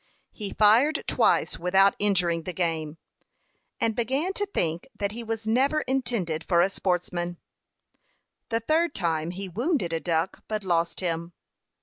He fired twice without injuring the game, and began to think that he was never intended for a sportsman. The third time he wounded a duck, but lost him.